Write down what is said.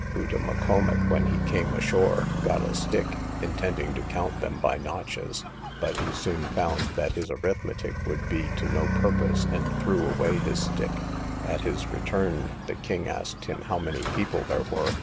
Uttamaccomock, when he came ashore, got a stick, intending to count them by notches; but he soon found that his arithmetic would be to no purpose, and threw away his stick. At his return, the king asked him how many people there were?